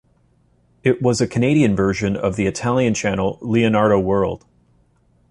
It was a Canadian version of the Italian channel Leonardo World.